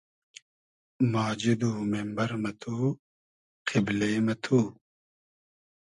ماجید و مېمبئر مہ تو , قیبلې مہ تو